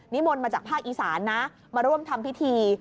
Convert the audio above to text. มนต์มาจากภาคอีสานนะมาร่วมทำพิธี